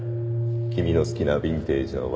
君の好きなビンテージのワイン。